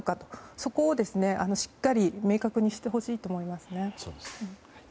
そこをしっかり明確にしてほしいと思いますね。